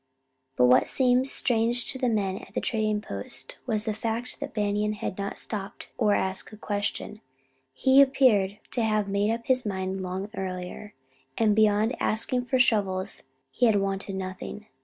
But what seemed strange to the men at the trading post was the fact that Banion had not stopped or asked a question. He appeared to have made up his mind long earlier, and beyond asking for shovels he had wanted nothing.